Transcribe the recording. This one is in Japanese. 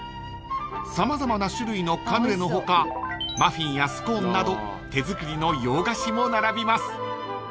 ［様々な種類のカヌレの他マフィンやスコーンなど手作りの洋菓子も並びます］